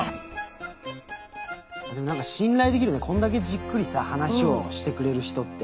何か信頼できるねこんだけじっくりさ話をしてくれる人って。